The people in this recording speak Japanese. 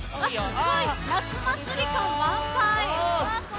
夏祭り感満載。